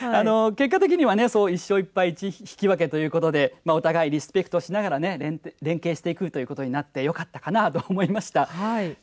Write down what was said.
結果的には１勝１敗１引き分けということでお互いリスペクトしながら連携していくということになってよかったかなと思いました。